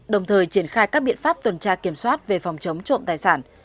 đồng thời triển khai các biện pháp tuần tra kiểm soát về phòng chống trộm tài sản